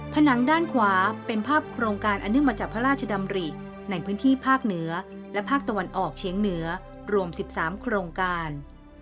ผนังด้านขวาเป็นภาพโครงการอเนื่องมาจากพระราชดำริในพื้นที่ภาคเหนือและภาคตะวันออกเฉียงเหนือรวม๑๓โครงการ